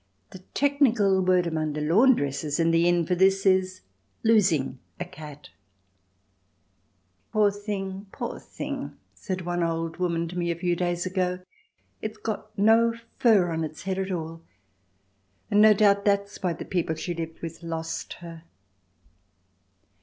The technical word among the laundresses in the inn for this is, "losing" a cat: "Poor thing, poor thing," said one old woman to me a few days ago, "it's got no fur on its head at all, and no doubt that's why the people she lived with lost her."